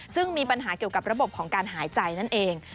ซึ่งมีปัญหาเกี่ยวกับระบบของการหายใจนั่นเอง